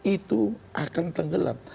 itu akan tenggelam